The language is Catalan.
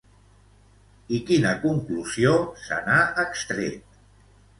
I quina conclusió se n'ha extret?